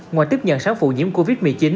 ngoài tiếp nhận sáu phụ nhiễm covid một mươi chín